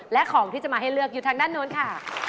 และของที่จะมาให้เลือกอยู่ทางด้านนู้นค่ะ